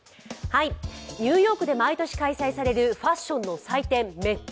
ニューヨークで毎年開催されるファッションの祭典、メット